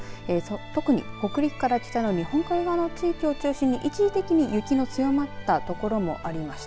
特に北陸から北の日本海側の地域を中心に一時的に雪の強まった所もありました。